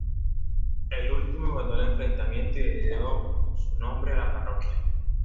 El último ganó el enfrentamiento y le dio su nombre a la parroquia.